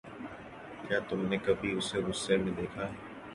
کیا تم نے کبھی اسے غصے میں دیکھا ہے؟